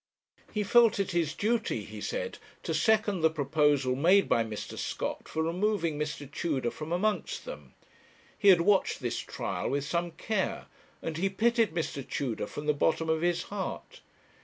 'He felt it his duty,' he said, 'to second the proposal made by Mr. Scott for removing Mr. Tudor from amongst them. He had watched this trial with some care, and he pitied Mr. Tudor from the bottom of his heart.